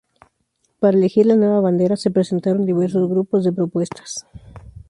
Para elegir la nueva bandera, se presentaron diversos grupos de propuestas.